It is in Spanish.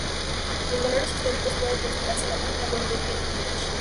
Los valores históricos pueden consultarse en la página web de Kenneth French.